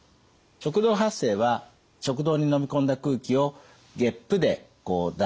食道発声は食道にのみ込んだ空気をげっぷでこう出すと。